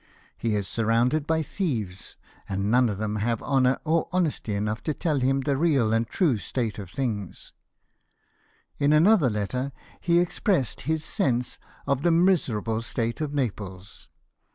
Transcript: He is surrounded by thieves, and none of them have honour or honesty enough to tell him the real and true state of things/' In another letter he expressed his sense of the miser able state of Naples.